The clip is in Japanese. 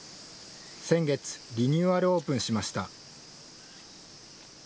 先月、リニューアルオープンしました。